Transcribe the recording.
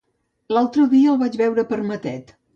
L'altre dia el vaig veure per Matet.